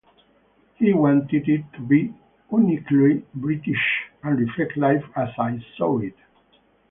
He wanted it to be uniquely British and reflect life as I saw it.